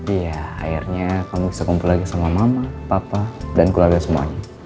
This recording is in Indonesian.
iya akhirnya kamu bisa kumpul lagi sama mama papa dan keluarga semuanya